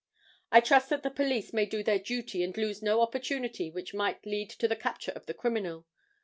"I trust that the police may do their duty and lose no opportunity which might lead to the capture of the criminal.